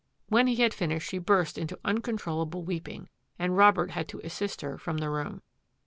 When he had finished she burst into uncontrol lable weeping, and Robert had to assist her from the room.